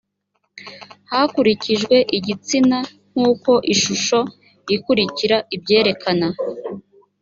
hakurikijwe igitsina nk uko ishusho ikurikira ibyerekana